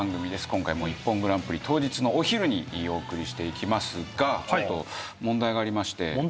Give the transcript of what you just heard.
今回も『ＩＰＰＯＮグランプリ』当日のお昼にお送りしていきますが。